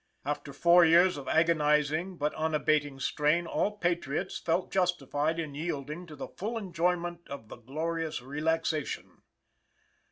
After four years of agonizing but unabating strain, all patriots felt justified in yielding to the full enjoyment of the glorious relaxation.